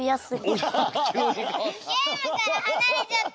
ゲームからはなれちゃった！